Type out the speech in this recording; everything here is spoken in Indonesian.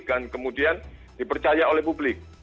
dan kemudian dipercaya oleh publik